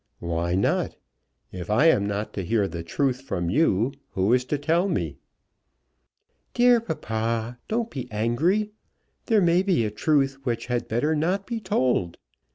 "Why not? If I am not to hear the truth from you who is to tell me?" "Dear papa, don't be angry. There may be a truth which had better not be told.